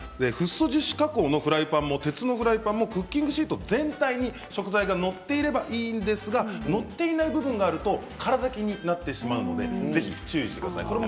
フッ素樹脂加工のフライパンも鉄のフライパンもクッキングシート全体に食材が載っていればいいんですが載っていない部分があると空だきになってしまうのでぜひ注意してください。